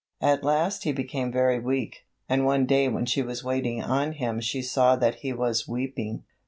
At last he became very weak, and one day when she was waiting on him she saw that he was weeping.